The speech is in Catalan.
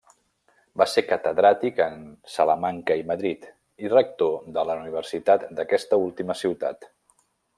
Va ser catedràtic en Salamanca i Madrid, i rector de la universitat d'aquesta última ciutat.